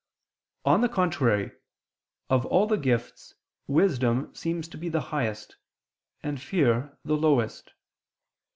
On the contrary, Of all the gifts, wisdom seems to be the highest, and fear the lowest.